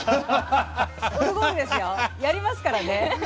オルゴールですよやりますからね。